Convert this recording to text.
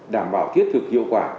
đảm bảo thiết thực hiệu quả